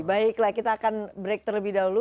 baiklah kita akan break terlebih dahulu